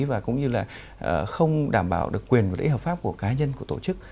và cũng như là không đảm bảo được quyền và lễ hợp pháp của cá nhân của tổ chức